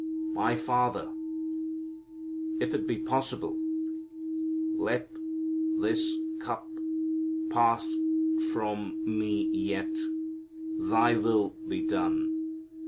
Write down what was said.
"My Father if it be possible let this cup pass from me Yet Thy will be done."